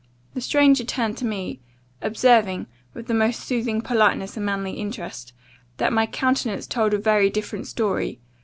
The stranger turned to me, observing, with the most soothing politeness and manly interest, that 'my countenance told a very different story.